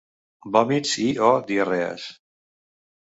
Vòmits i o diarrees.